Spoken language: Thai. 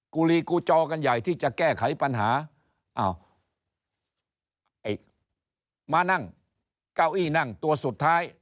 กูลีกูจอกันใหญ่ที่จะแก้ไขปัญหาอ้าวมานั่งเก้าอี้นั่งตัวสุดท้าย